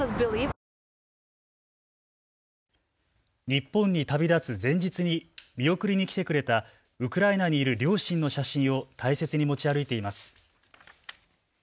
日本に旅立つ前日に見送りにきてくれたウクライナにいる両親の写真を大切に持ち歩いています。